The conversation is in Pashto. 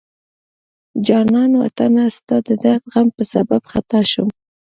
جانان وطنه ستا د درد غم په سبب خطا شم